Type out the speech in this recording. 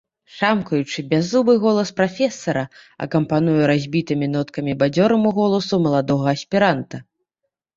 Шамкаючы бяззубы голас прафесара акампануе разбітымі ноткамі бадзёраму голасу маладога аспіранта.